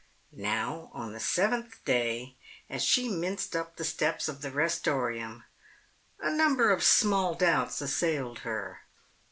Now, on the seventh day, as she minced up the steps of the Restorium, a number of small doubts assailed her.